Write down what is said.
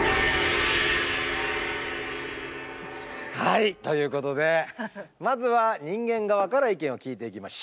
はいということでまずは人間側から意見を聞いていきましょう。